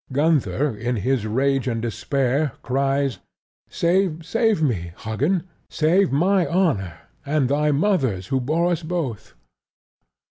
Gunther, in his rage and despair, cries, "Save me, Hagen: save my honor and thy mother's who bore us both."